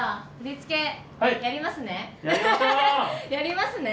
やりますね。